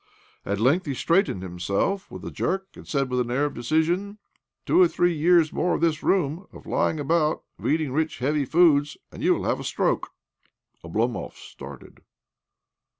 At length he straightened himself "with a jerk, and said with an air of decision— " Two or three years more of this room, of lying aibout, of eatingi rich, heavy foodfe, and you will have a stroke." Oblomov started.